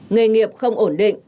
nghề nghiệp không ổn định